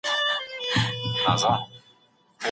موسیقي مو له ذهني فشار څخه خلاصوي.